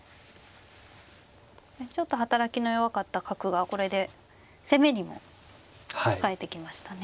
ちょっと働きの弱かった角がこれで攻めにも使えてきましたね。